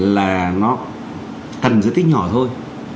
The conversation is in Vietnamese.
là nó cần giới tích nhỏ thôi